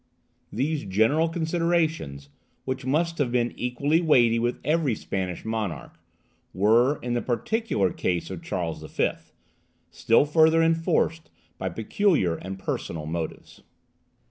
These general considerations, which must have been equally weighty with every Spanish monarch, were, in the particular case of Charles V., still further enforced by peculiar and personal motives.